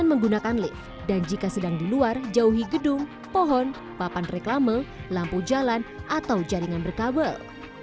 menggunakan lift dan jika sedang di luar jauhi gedung pohon papan reklame lampu jalan atau jaringan berkabel